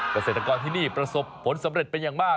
เกษตรกรที่นี่ประสบผลสำเร็จเป็นอย่างมาก